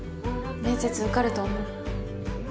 面接受かると思う。